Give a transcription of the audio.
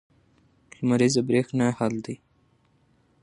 لمریزه برېښنا حل دی.